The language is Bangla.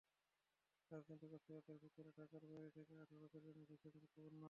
রাজনৈতিক অস্থিরতার ভেতর ঢাকার বাইরে থেকে আসা তাদের জন্য ভীষণ ঝুঁকিপূর্ণ।